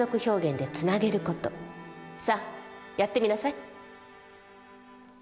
さあやってみなさい。